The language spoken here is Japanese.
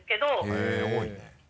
へぇ多いね。